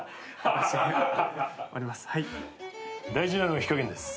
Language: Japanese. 大事なのは火加減です。